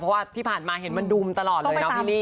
เพราะว่าที่ผ่านมาเห็นมันดุมตลอดเลยเนาะพี่ลี่